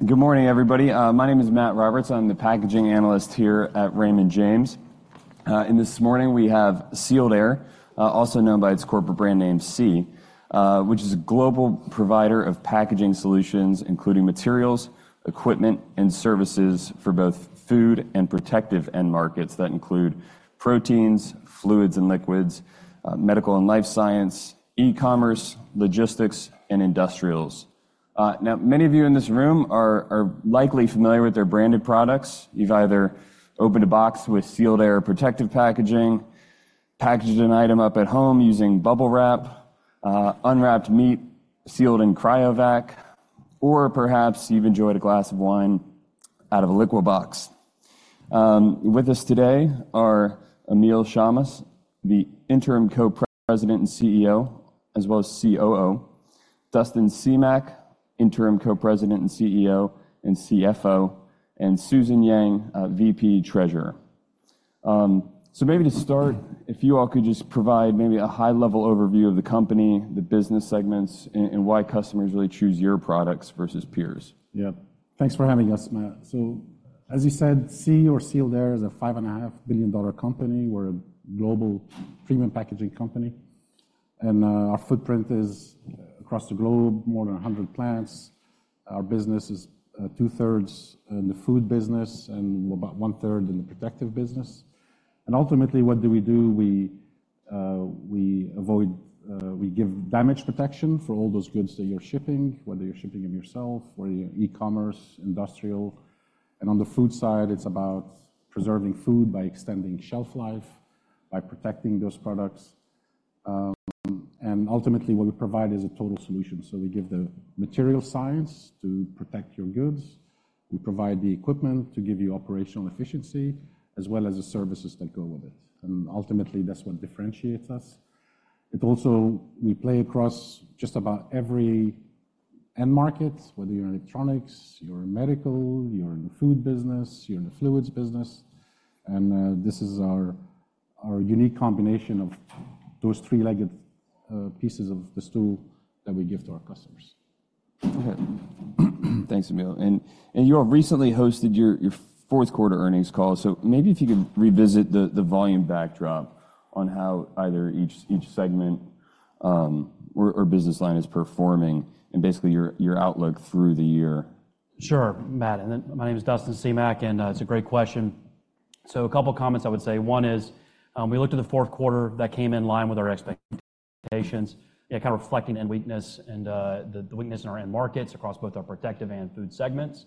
All right. Good morning, everybody. My name is Matt Roberts. I'm the packaging analyst here at Raymond James. This morning we have Sealed Air, also known by its corporate brand name SEE, which is a global provider of packaging solutions including materials, equipment, and services for both food and protective end markets that include proteins, fluids, and liquids, medical and life science, e-commerce, logistics, and industrials. Now, many of you in this room are likely familiar with their branded products. You've either opened a box with Sealed Air protective packaging, packaged an item up at home using Bubble Wrap, unwrapped meat sealed in Cryovac, or perhaps you've enjoyed a glass of wine out of a Liquibox. With us today are Emile Chammas, the Interim Co-President and Co-CEO, as well as COO; Dustin Semach, Interim Co-President and Co-CEO and CFO; and Susan Yang, VP Treasurer. So maybe to start, if you all could just provide maybe a high-level overview of the company, the business segments, and why customers really choose your products versus peers? Yeah. Thanks for having us, Matt. So, as you said, SEE or Sealed Air is a $5.5 billion company. We're a global premium packaging company. And our footprint is across the globe, more than 100 plants. Our business is two-thirds in the food business and about one-third in the protective business. And ultimately, what do we do? We, we avoid, we give damage protection for all those goods that you're shipping, whether you're shipping them yourself, whether you're e-commerce, industrial. And on the food side, it's about preserving food by extending shelf life, by protecting those products. And ultimately, what we provide is a total solution. So we give the material science to protect your goods. We provide the equipment to give you operational efficiency, as well as the services that go with it. And ultimately, that's what differentiates us. It also we play across just about every end market, whether you're in electronics, you're in medical, you're in the food business, you're in the fluids business. This is our, our unique combination of those three-legged pieces of the stool that we give to our customers. Okay. Thanks, Emile. And you all recently hosted your fourth quarter earnings call. So maybe if you could revisit the volume backdrop on how either each segment or business line is performing and basically your outlook through the year. Sure, Matt. Then my name is Dustin Semach, and it's a great question. So a couple of comments I would say. One is, we looked at the fourth quarter. That came in line with our expectations, yeah, kind of reflecting end weakness and the weakness in our end markets across both our Protective and Food segments.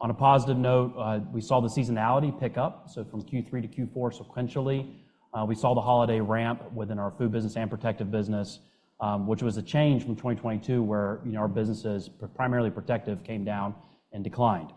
On a positive note, we saw the seasonality pick up. So from Q3 to Q4 sequentially, we saw the holiday ramp within our food business and Protective business, which was a change from 2022 where, you know, our businesses primarily Protective came down and declined.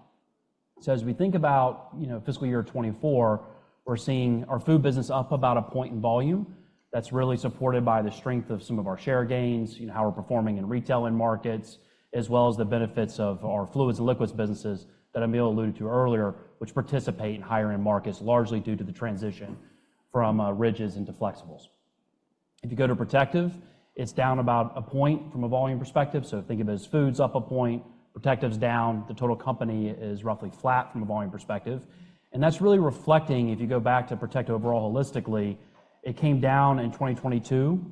So as we think about, you know, fiscal year 2024, we're seeing our food business up about a point in volume. That's really supported by the strength of some of our share gains, you know, how we're performing in retail end markets, as well as the benefits of our fluids and liquids businesses that Emile alluded to earlier, which participate in higher end markets largely due to the transition from rigids into flexibles. If you go to Protective, it's down about a point from a volume perspective. So think of it as Food up a point, Protective down. The total company is roughly flat from a volume perspective. And that's really reflecting if you go back to Protective overall holistically, it came down in 2022,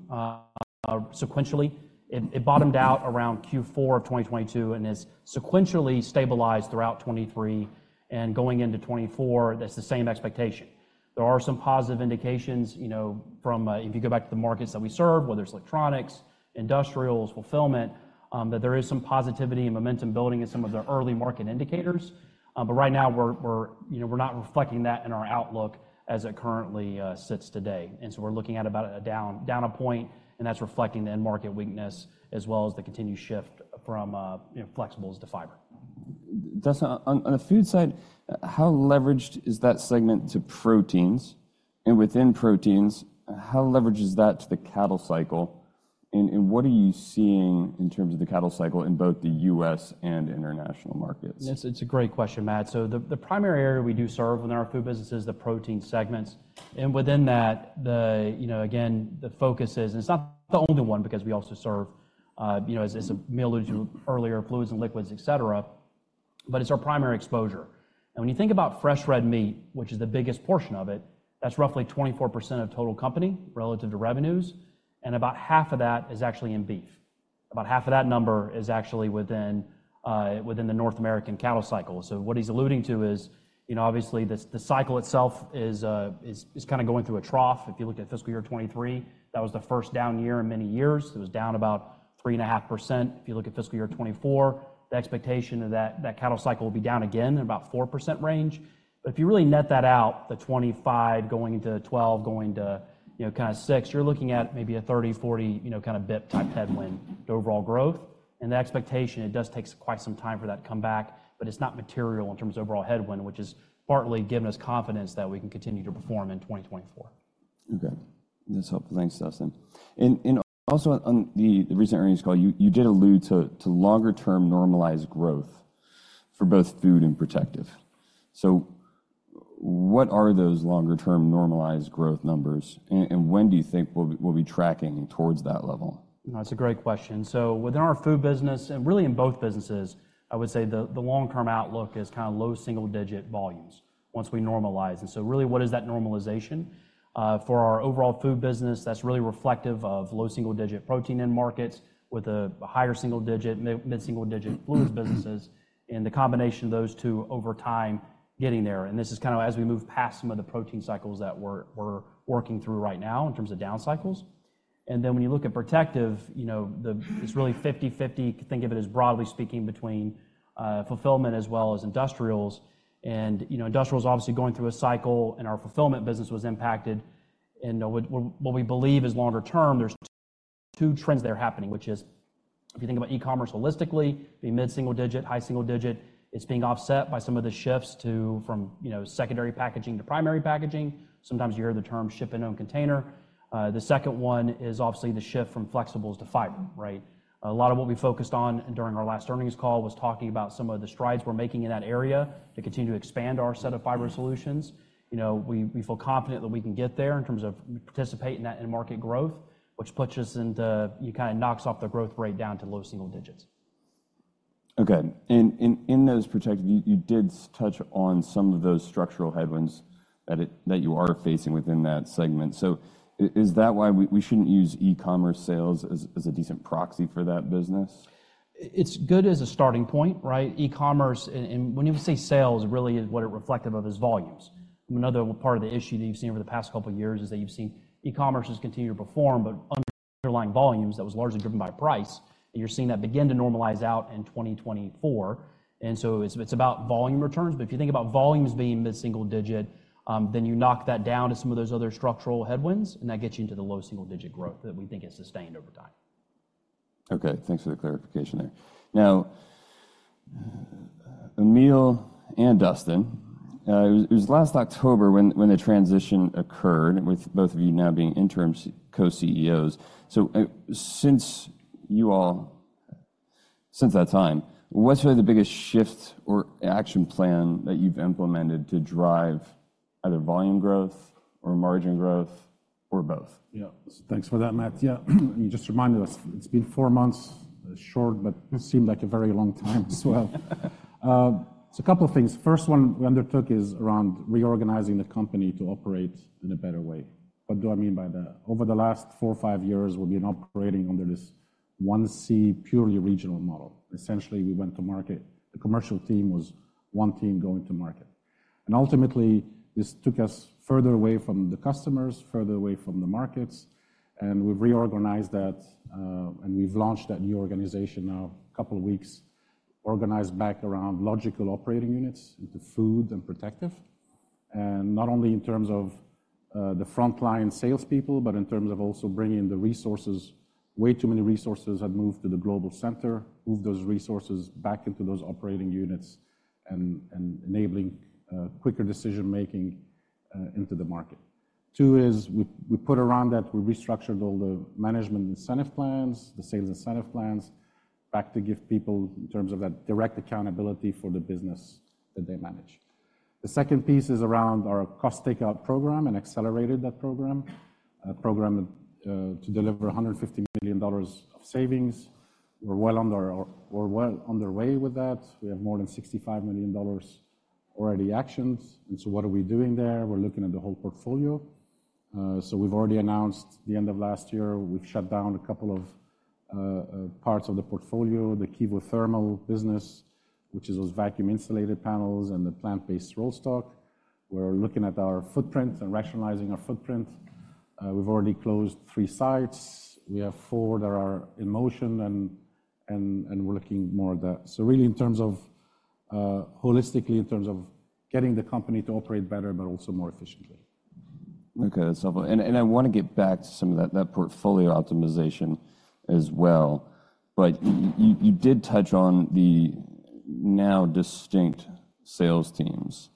sequentially. It bottomed out around Q4 of 2022 and has sequentially stabilized throughout 2023. And going into 2024, that's the same expectation. There are some positive indications, you know, from if you go back to the markets that we serve, whether it's electronics, industrials, fulfillment, that there is some positivity and momentum building in some of the early market indicators. But right now we're, you know, we're not reflecting that in our outlook as it currently sits today. And so we're looking at about a down a point, and that's reflecting the end market weakness as well as the continued shift from, you know, flexibles to fiber. Dustin, on the food side, how leveraged is that segment to proteins? And within proteins, how leveraged is that to the cattle cycle? And what are you seeing in terms of the cattle cycle in both the U.S. and international markets? It's a great question, Matt. So the primary area we do serve within our food business is the protein segments. And within that, you know, again, the focus is and it's not the only one because we also serve, you know, as Emile alluded to earlier, fluids and liquids, etc., but it's our primary exposure. And when you think about fresh red meat, which is the biggest portion of it, that's roughly 24% of total company relative to revenues. And about half of that is actually in beef. About half of that number is actually within the North American cattle cycle. So what he's alluding to is, you know, obviously the cycle itself is kind of going through a trough. If you look at fiscal year 2023, that was the first down year in many years. It was down about 3.5%. If you look at fiscal year 2024, the expectation of that, that cattle cycle will be down again in about 4% range. But if you really net that out, the 25 going into 12 going to, you know, kind of 6, you're looking at maybe a 30-40, you know, kind of basis points-type headwind to overall growth. And the expectation, it does take quite some time for that to come back, but it's not material in terms of overall headwind, which is partly giving us confidence that we can continue to perform in 2024. Okay. That's helpful. Thanks, Dustin. And also on the recent earnings call, you did allude to longer-term normalized growth for both food and protective. So what are those longer-term normalized growth numbers? And when do you think we'll be tracking towards that level? That's a great question. So within our food business and really in both businesses, I would say the long-term outlook is kind of low single-digit volumes once we normalize. And so really, what is that normalization? For our overall food business, that's really reflective of low single-digit protein end markets with a higher single-digit, mid-single-digit fluids businesses and the combination of those two over time getting there. And this is kind of as we move past some of the protein cycles that we're working through right now in terms of down cycles. And then when you look at protective, you know, it's really 50/50. Think of it as broadly speaking between fulfillment as well as industrials. And, you know, industrial's obviously going through a cycle, and our fulfillment business was impacted. What we believe is longer term, there's two trends that are happening, which is if you think about e-commerce holistically, it'd be mid-single-digit, high single-digit. It's being offset by some of the shifts from, you know, secondary packaging to primary packaging. Sometimes you hear the term Ship in Own Container. The second one is obviously the shift from Flexibles to Fiber, right? A lot of what we focused on during our last earnings call was talking about some of the strides we're making in that area to continue to expand our set of Fiber solutions. You know, we feel confident that we can get there in terms of participating in that end market growth, which puts us into, you know, kind of knocks off the growth rate down to low single digits. Okay. And in those protective, you did touch on some of those structural headwinds that you are facing within that segment. So is that why we shouldn't use e-commerce sales as a decent proxy for that business? It's good as a starting point, right? E-commerce and, and when you say sales, really is what it reflective of is volumes. I mean, another part of the issue that you've seen over the past couple of years is that you've seen e-commerce has continued to perform, but underlying volumes, that was largely driven by price. And you're seeing that begin to normalize out in 2024. And so it's, it's about volume returns. But if you think about volumes being mid-single-digit, then you knock that down to some of those other structural headwinds, and that gets you into the low single-digit growth that we think has sustained over time. Okay. Thanks for the clarification there. Now, Emile and Dustin, it was last October when the transition occurred with both of you now being interim co-CEOs. So, since you all that time, what's really the biggest shift or action plan that you've implemented to drive either volume growth or margin growth or both? Yeah. Thanks for that, Matt. Yeah. You just reminded us. It's been four months. It's short, but seemed like a very long time as well. So a couple of things. First one we undertook is around reorganizing the company to operate in a better way. What do I mean by that? Over the last four or five years, we've been operating under this one SEE purely regional model. Essentially, we went to market. The commercial team was one team going to market. And ultimately, this took us further away from the customers, further away from the markets. And we've reorganized that, and we've launched that new organization now a couple of weeks, organized back around logical operating units into food and protective. And not only in terms of, the frontline salespeople, but in terms of also bringing the resources. Way too many resources had moved to the global center. Move those resources back into those operating units and enabling quicker decision-making into the market. Two is we, we put around that. We restructured all the management incentive plans, the sales incentive plans back to give people in terms of that direct accountability for the business that they manage. The second piece is around our cost takeout program and accelerated that program to deliver $150 million of savings. We're well on our, our we're well underway with that. We have more than $65 million already actioned. And so what are we doing there? We're looking at the whole portfolio. So we've already announced the end of last year. We've shut down a couple of parts of the portfolio, the Kevothermal business, which is those vacuum insulated panels and the plant-based rollstock. We're looking at our footprint and rationalizing our footprint. We've already closed three sites. We have four that are in motion, and we're looking more at that. So really in terms of, holistically in terms of getting the company to operate better, but also more efficiently. Okay. That's helpful. And I wanna get back to some of that portfolio optimization as well. But you did touch on the now distinct sales teams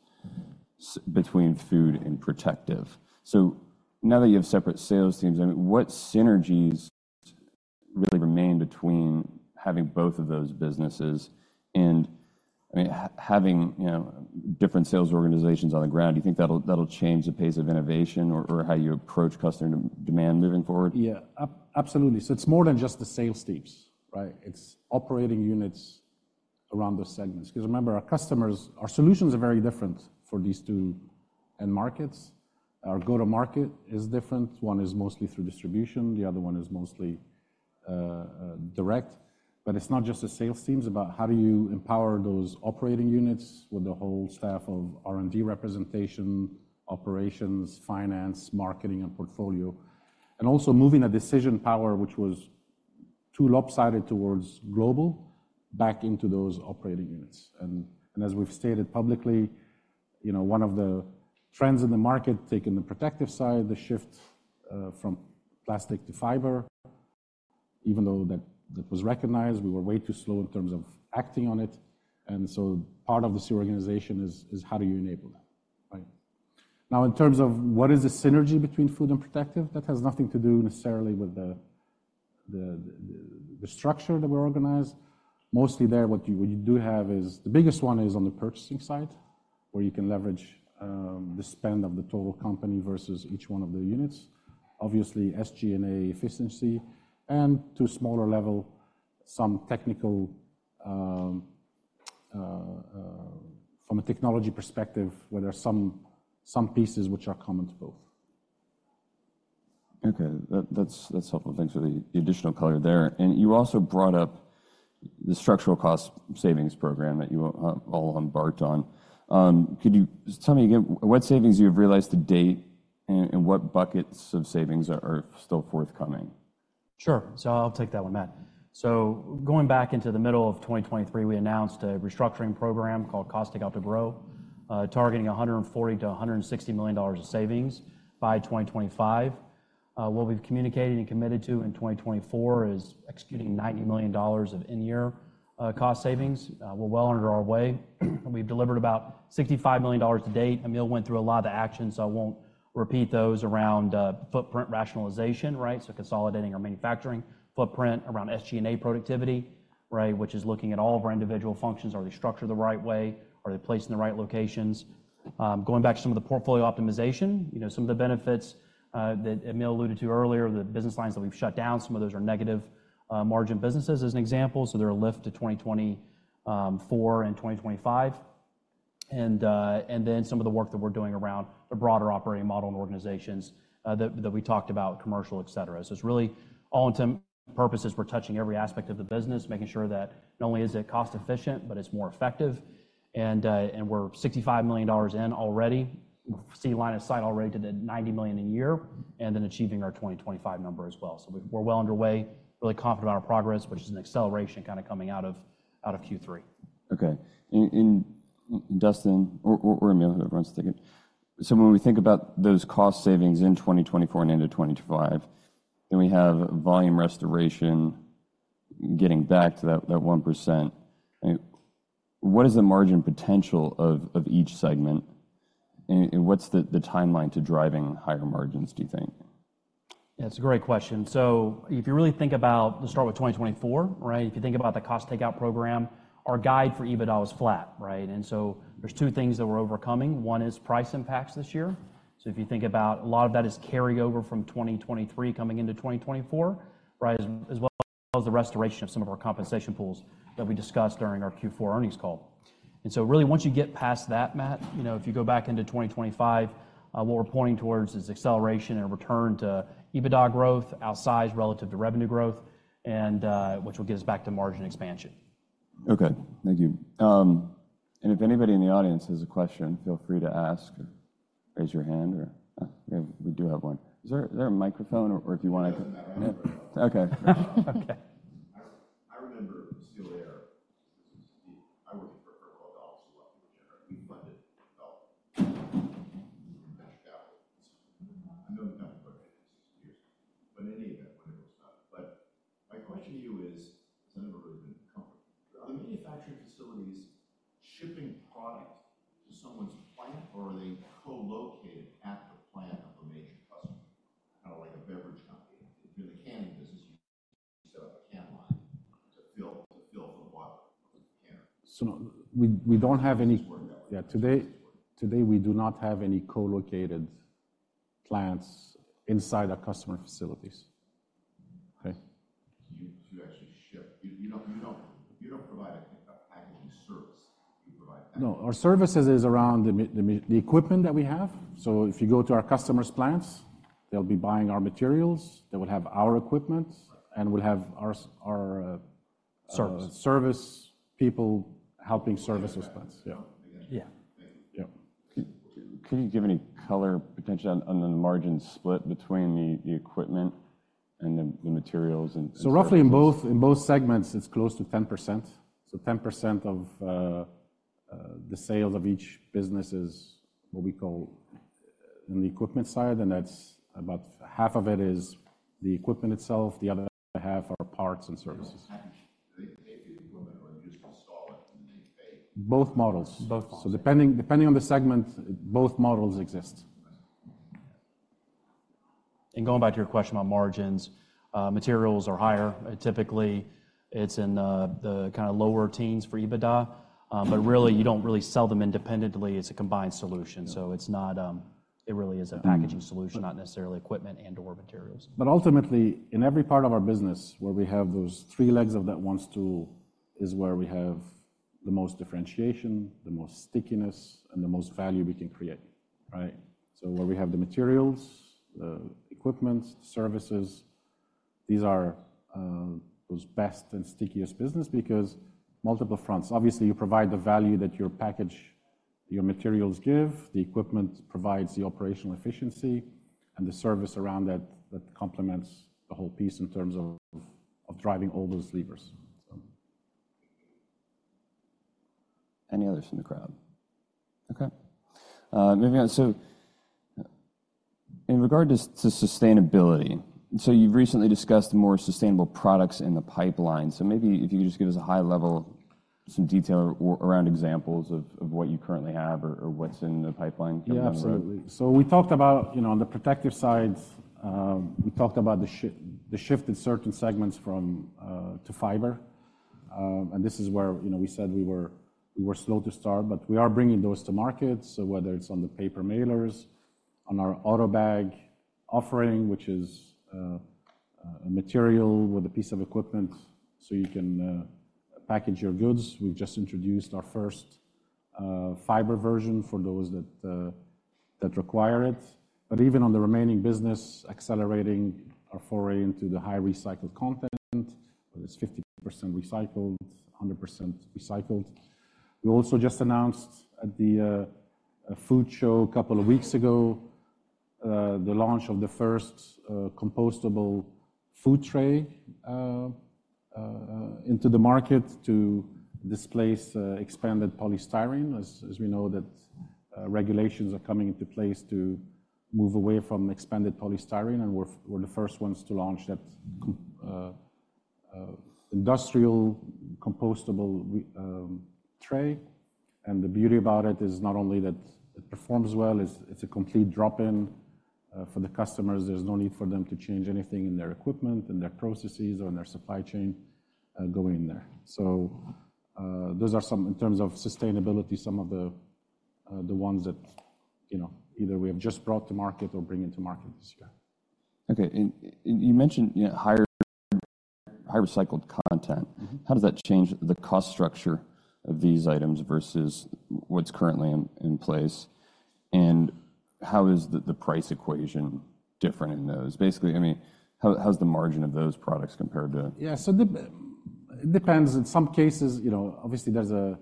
between Food and Protective. So now that you have separate sales teams, I mean, what synergies really remain between having both of those businesses and, I mean, having, you know, different sales organizations on the ground? Do you think that'll change the pace of innovation or how you approach customer demand moving forward? Yeah. Absolutely. So it's more than just the sales teams, right? It's operating units around those segments. 'Cause remember, our customers, our solutions are very different for these two end markets. Our go-to-market is different. One is mostly through distribution. The other one is mostly direct. But it's not just the sales teams. It's about how do you empower those operating units with the whole staff of R&D representation, operations, finance, marketing, and portfolio. And also moving a decision power, which was too lopsided towards global, back into those operating units. And as we've stated publicly, you know, one of the trends in the market, taking the protective side, the shift from plastic to fiber, even though that was recognized, we were way too slow in terms of acting on it. And so part of the Sealed Air organization is how do you enable that, right? Now, in terms of what is the synergy between Food and Protective, that has nothing to do necessarily with the structure that we organize. Mostly there, what you do have is the biggest one is on the purchasing side where you can leverage the spend of the total company versus each one of the units. Obviously, SG&A efficiency. And to a smaller level, some technical, from a technology perspective, where there are some pieces which are common to both. Okay. That's helpful. Thanks for the additional color there. And you also brought up the structural cost savings program that you all embarked on. Could you tell me again, what savings you have realized to date and what buckets of savings are still forthcoming? Sure. So I'll take that one, Matt. So going back into the middle of 2023, we announced a restructuring program called Cost Takeout to Grow, targeting $140 million-$160 million of savings by 2025. What we've communicated and committed to in 2024 is executing $90 million of end-year cost savings. We're well on our way. We've delivered about $65 million to date. Emile went through a lot of the actions, so I won't repeat those, around footprint rationalization, right? So consolidating our manufacturing footprint around SG&A productivity, right, which is looking at all of our individual functions. Are they structured the right way? Are they placed in the right locations? Going back to some of the portfolio optimization, you know, some of the benefits that Emile alluded to earlier, the business lines that we've shut down, some of those are negative margin businesses as an example. So there are a lift to 2024 and 2025. And then some of the work that we're doing around the broader operating model and organizations, that we talked about, commercial, etc. So it's really all intents and purposes, we're touching every aspect of the business, making sure that not only is it cost-efficient, but it's more effective. And we're $65 million in already. We're seeing line of sight already to the $90 million a year and then achieving our 2025 number as well. So we're well underway, really confident about our progress, which is an acceleration kind of coming out of Q3. Okay. Dustin or Emile have a run to take it. So when we think about those cost savings in 2024 and into 2025, then we have volume restoration, getting back to that 1%. I mean, what is the margin potential of each segment? And what's the timeline to driving higher margins, do you think? Yeah. It's a great question. So if you really think about let's start with 2024, right? If you think about the cost takeout program, our guide for EBITDA was flat, right? And so there's two things that we're overcoming. One is price impacts this year. So if you think about a lot of that is carryover from 2023 coming into 2024, right, as, as well as the restoration of some of our compensation pools that we discussed during our Q4 earnings call. And so really, once you get past that, Matt, you know, if you go back into 2025, what we're pointing towards is acceleration and return to EBITDA growth outsized relative to revenue growth, and, which will get us back to margin expansion. Okay. Thank you. If anybody in the audience has a question, feel free to ask or raise your hand or we have we do have one. Is there, is there a microphone or, or if you wanna? I remember. Okay. Okay. I remember Sealed Air. I worked at Fritz called Dollars, who loved people to generate. We funded Dollars through venture capital. I've known the company for over 60 years. But in any event, when it was funded. But my question to you is, 'cause I never really been comfortable. Are the manufacturing facilities shipping product to someone's plant, or are they co-located at the plant of the major customer? Kind of like a beverage company. If you're in the canning business, you set up a can line to fill for the bottle of the canner. No. We don't have any. That's working out. Yeah. Today, today, we do not have any co-located plants inside our customer facilities. Okay? So you actually ship. You don't provide a packaging service. You provide packaging. No. Our services is around the equipment that we have. So if you go to our customer's plants, they'll be buying our materials. They will have our equipment and will have our, our, Service. Service people helping service those plants. Yeah. Again. Yeah. Thank you. Yeah. Could you give any color potential on the margin split between the equipment and the materials and the? So roughly in both segments, it's close to 10%. So 10% of the sales of each business is what we call on the equipment side. And that's about half of it is the equipment itself. The other half are parts and services. Package. They, they pay for the equipment, or you just install it, and then they pay? Both models. Both models. So depending on the segment, both models exist. I see. Yeah. Going back to your question about margins, materials are higher. Typically, it's in the kind of lower teens for EBITDA. But really, you don't really sell them independently. It's a combined solution. So it's not, it really is a packaging solution, not necessarily equipment and/or materials. But ultimately, in every part of our business where we have those three legs of that one stool is where we have the most differentiation, the most stickiness, and the most value we can create, right? So where we have the materials, the equipment, the services, these are, those best and stickiest business because multiple fronts. Obviously, you provide the value that your package, your materials give. The equipment provides the operational efficiency, and the service around that, that complements the whole piece in terms of, of driving all those levers, so. Any others from the crowd? Okay. Moving on. So, in regard to, to sustainability, so you've recently discussed more sustainable products in the pipeline. So maybe if you could just give us a high-level, some detail or, or around examples of, of what you currently have or, or what's in the pipeline coming up? Yeah. Absolutely. So we talked about, you know, on the protective side, we talked about the shift in certain segments from to Fiber. And this is where, you know, we said we were slow to start, but we are bringing those to market. So whether it's on the paper mailers, on our Autobag offering, which is a material with a piece of equipment so you can package your goods. We've just introduced our first Fiber version for those that require it. But even on the remaining business, accelerating our foray into the high-recycled content, whether it's 50% recycled, 100% recycled. We also just announced at the food show a couple of weeks ago the launch of the first compostable food tray into the market to displace expanded polystyrene. As we know that regulations are coming into place to move away from expanded polystyrene. And we're the first ones to launch that compostable industrial compostable retail tray. And the beauty about it is not only that it performs well. It's a complete drop-in for the customers. There's no need for them to change anything in their equipment, in their processes, or in their supply chain going in there. So, those are some in terms of sustainability, some of the ones that, you know, either we have just brought to market or bring into market this year. Okay. And you mentioned, you know, high-recycled content. How does that change the cost structure of these items versus what's currently in place? And how is the price equation different in those? Basically, I mean, how's the margin of those products compared to? Yeah. So it depends. In some cases, you know, obviously, there's a,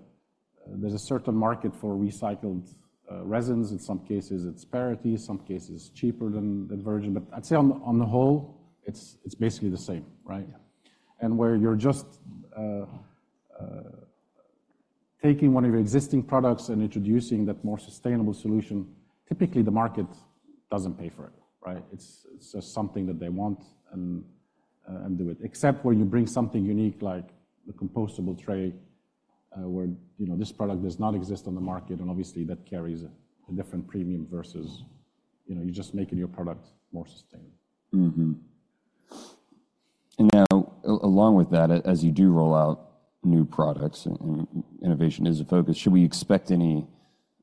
there's a certain market for recycled resins. In some cases, it's parity. In some cases, it's cheaper than that version. But I'd say on, on the whole, it's, it's basically the same, right? Yeah. Where you're just taking one of your existing products and introducing that more sustainable solution, typically, the market doesn't pay for it, right? It's just something that they want and do it. Except where you bring something unique like the compostable tray, where, you know, this product does not exist on the market. Obviously, that carries a different premium versus, you know, you're just making your product more sustainable. Mm-hmm. And now, along with that, as you do roll out new products, and innovation is a focus, should we expect any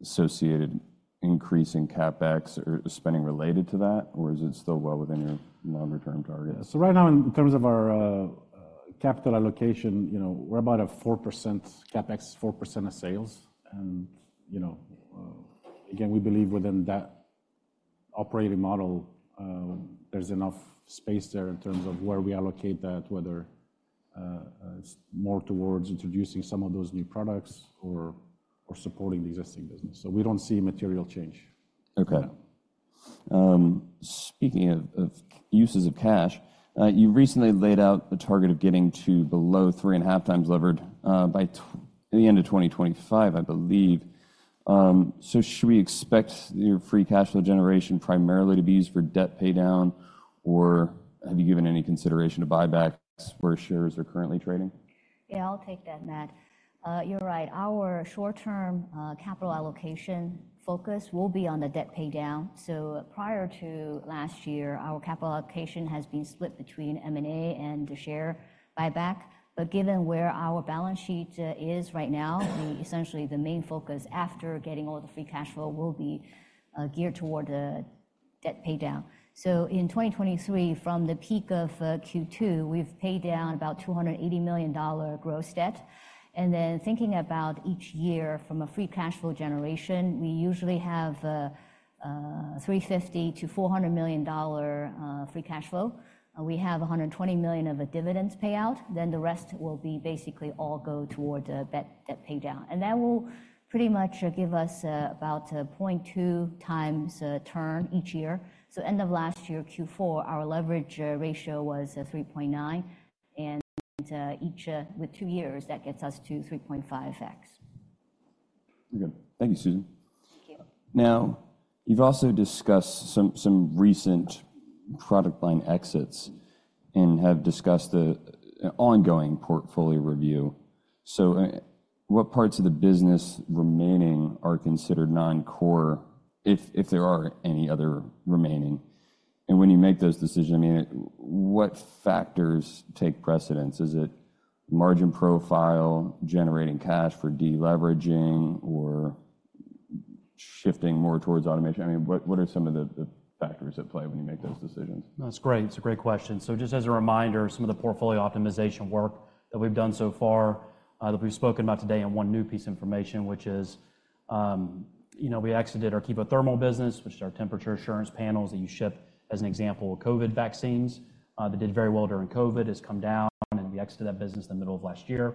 associated increase in CapEx or spending related to that, or is it still well within your longer-term target? Yeah. So right now, in terms of our capital allocation, you know, we're about a 4% Capex, 4% of sales. And, you know, again, we believe within that operating model, there's enough space there in terms of where we allocate that, whether it's more towards introducing some of those new products or supporting the existing business. So we don't see material change. Okay. Speaking of uses of cash, you've recently laid out a target of getting to below 3.5 times levered by the end of 2025, I believe. So should we expect your free cash flow generation primarily to be used for debt paydown, or have you given any consideration to buybacks where shares are currently trading? Yeah. I'll take that, Matt. You're right. Our short-term capital allocation focus will be on the debt paydown. So prior to last year, our capital allocation has been split between M&A and the share buyback. But given where our balance sheet is right now, essentially the main focus after getting all the free cash flow will be geared toward the debt paydown. So in 2023, from the peak of Q2, we've paid down about $280 million gross debt. And then thinking about each year from a free cash flow generation, we usually have $350-$400 million free cash flow. We have $120 million of a dividends payout. Then the rest will be basically all go toward the debt paydown. And that will pretty much give us about a 0.2x turn each year. So end of last year, Q4, our leverage ratio was 3.9. And each with two years that gets us to 3.5x. Very good. Thank you, Susan. Thank you. Now, you've also discussed some recent product line exits and have discussed the ongoing portfolio review. So, what parts of the business remaining are considered non-core, if there are any other remaining? And when you make those decisions, I mean, what factors take precedence? Is it margin profile, generating cash for deleveraging, or shifting more towards automation? I mean, what are some of the factors at play when you make those decisions? That's great. It's a great question. So just as a reminder, some of the portfolio optimization work that we've done so far, that we've spoken about today and one new piece of information, which is, you know, we exited our Kevothermal business, which is our temperature assurance panels that you ship as an example of COVID vaccines, that did very well during COVID, has come down, and we exited that business in the middle of last year.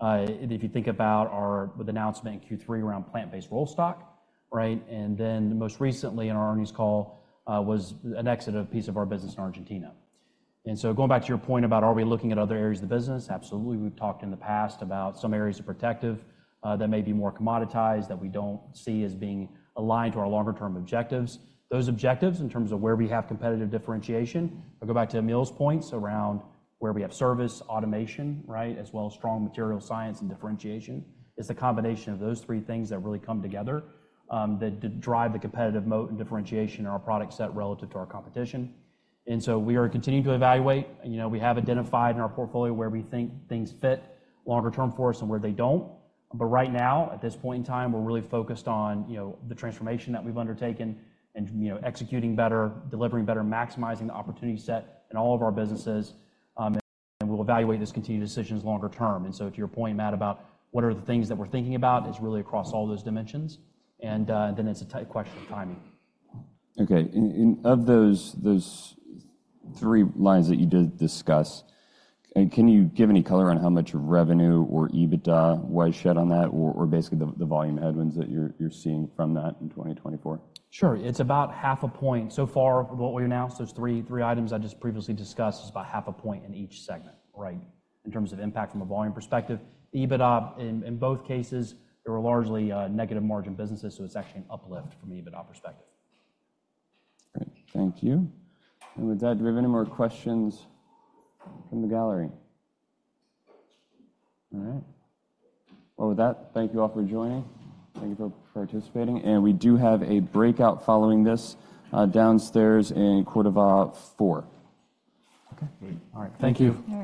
If you think about our Q3 announcement in Q3 around plant-based rollstock, right, and then most recently in our earnings call, was an exit of a piece of our business in Argentina. So going back to your point about, are we looking at other areas of the business? Absolutely. We've talked in the past about some areas of Protective, that may be more commoditized, that we don't see as being aligned to our longer-term objectives. Those objectives, in terms of where we have competitive differentiation, I'll go back to Emile's points around where we have service, automation, right, as well as strong material science and differentiation, is the combination of those three things that really come together, that drive the competitive moat and differentiation in our product set relative to our competition. And so we are continuing to evaluate. You know, we have identified in our portfolio where we think things fit longer-term for us and where they don't. But right now, at this point in time, we're really focused on, you know, the transformation that we've undertaken and, you know, executing better, delivering better, maximizing the opportunity set in all of our businesses. We'll evaluate those continued decisions longer term. And so to your point, Matt, about what are the things that we're thinking about, it's really across all those dimensions. And then it's a tight question of timing. Okay. And of those three lines that you did discuss, can you give any color on how much revenue or EBITDA was shed on that or basically the volume headwinds that you're seeing from that in 2024? Sure. It's about half a point so far with what we announced. Those three items I just previously discussed is about half a point in each segment, right, in terms of impact from a volume perspective. EBITDA, in both cases, there were largely negative margin businesses. So it's actually an uplift from an EBITDA perspective. Great. Thank you. And with that, do we have any more questions from the gallery? All right. Well, with that, thank you all for joining. Thank you for participating. And we do have a breakout following this, downstairs in quarter of four. Okay. Great. All right. Thank you.